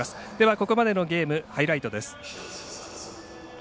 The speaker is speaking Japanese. ここまでのゲームハイライトです。